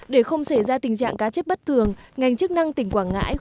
để không xảy ra tình trạng cá chết bất thường ngành chức năng tỉnh quảng ngãi